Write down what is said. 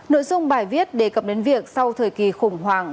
nội dung bài viết đề cập đến việc sau thời kỳ khủng hoảng